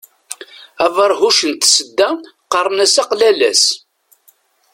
Aberhuc n tsedda qqaren-as aqlalas.